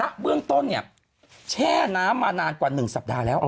เบื้องต้นเนี่ยแช่น้ำมานานกว่า๑สัปดาห์แล้ว